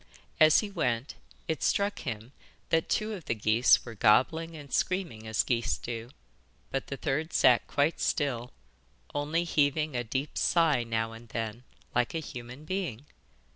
As he went, it struck him that two of the geese were gobbling and screaming as geese do, but the third sat quite still, only heaving a deep sigh now and then, like a human being.